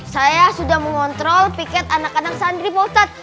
saya sudah mengontrol piket anak anak sandri bostad